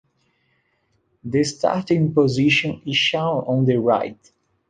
The starting position is shown on the right.